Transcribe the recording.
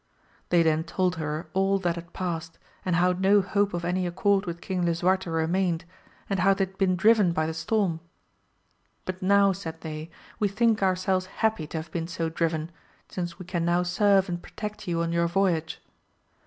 They then told her all that had past, and how no hope of any accord with King Lisu arte remained, and how they had been driven by the storm. But now said they, we think ourselves happy to have been so driven, since we can now serve and pro tect you on your voyage.